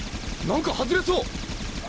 なんか外れそう！